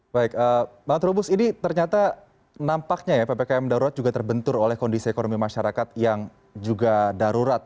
baik bang trubus ini ternyata nampaknya ya ppkm darurat juga terbentur oleh kondisi ekonomi masyarakat yang juga darurat